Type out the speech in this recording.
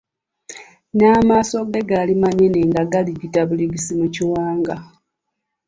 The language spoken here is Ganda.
N’amaaso ge gaali manene nga galigita buligisi mu kiwanga.